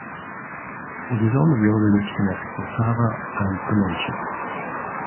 It is on the railway which connects Poltava and Kremenchuk.